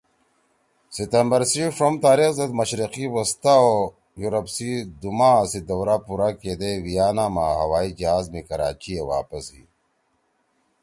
ستمبر سی ݜوم تاریخ زید مشرقی وسطہ او یورپ سی دُو ماہا سی دورا پُورا کیدے وی آنا ما ہوائی جہاز می کراچی ئے واپس ہی